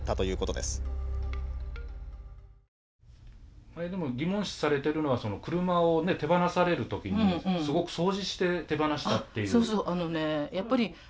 でも疑問視されてるのは車を手放される時にすごく掃除して手放したっていう。